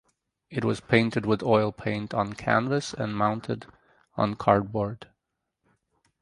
It was painted with oil paint on canvas and mounted on cardboard.